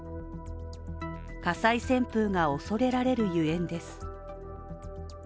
火災旋風が恐れられるゆえんです。